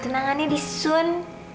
tenangannya di sun